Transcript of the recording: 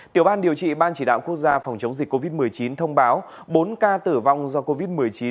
tiểu ban điều trị ban chỉ đạo quốc gia phòng chống dịch covid một mươi chín thông báo bốn ca tử vong do covid một mươi chín